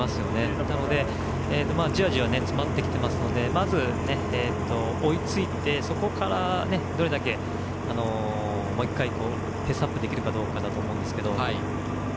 なので、じわじわ詰まってきているのでまず追いついてそこからどれだけもう１回ペースアップできるかだと思うんですけど。